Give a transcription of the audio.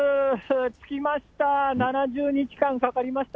着きました。